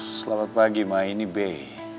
selamat pagi ma ini b